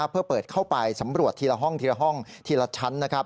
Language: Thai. เพื่อเปิดเข้าไปสำรวจทีละห้องทีละชั้น